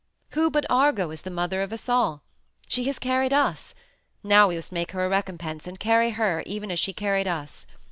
"Who but Argo is the mother of us all? She has carried us. Now we must make her a recompense and carry her even as she carried us.